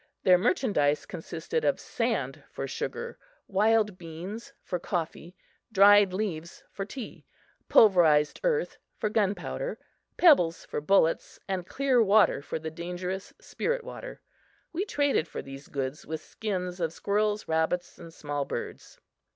Their merchandise consisted of sand for sugar, wild beans for coffee, dried leaves for tea, pulverized earth for gun powder, pebbles for bullets and clear water for the dangerous "spirit water." We traded for these goods with skins of squirrels, rabbits and small birds.